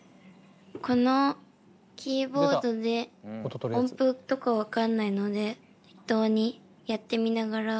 このキーボードで音符とか分かんないので適当にやってみながら。